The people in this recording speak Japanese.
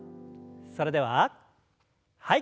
それでははい。